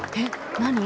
何？